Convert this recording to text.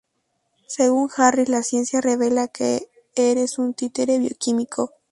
Según Harris, la ciencia ""revela que eres un títere bioquímico"".